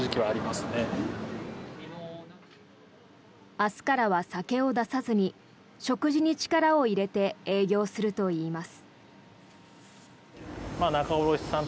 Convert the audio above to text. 明日からは酒を出さずに食事に力を入れて営業するといいます。